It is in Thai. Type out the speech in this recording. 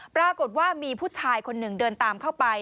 ปรากฏว่ามีผู้ชายคนหนึ่งเดินตามเข้าไป